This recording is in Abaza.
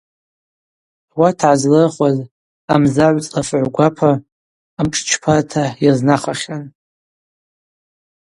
Ауат гӏазлырхуаз амзагӏвцӏла фыгӏв гвапа амшӏчпарта йазнахахьан.